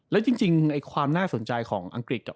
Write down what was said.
แล้วจริงความน่าสนใจของอังกฤษกับ